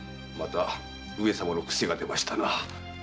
また上様の癖が出ましたな。